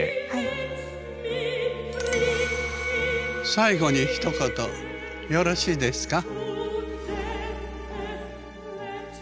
最後にひと言よろしいですか？